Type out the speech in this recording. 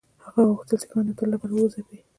هغه غوښتل سیکهان د تل لپاره وځپي.